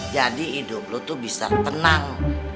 jadi hidup lo tuh bisa tenang